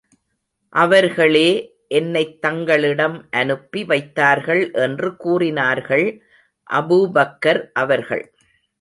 அவர்களே என்னைத் தங்களிடம் அனுப்பி வைத்தார்கள் என்று கூறினார்கள் அபூபக்கர் அவர்கள்.